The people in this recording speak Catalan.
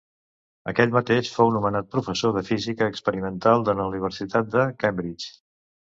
Aquell mateix fou nomenat professor de física experimental de la Universitat de Cambridge.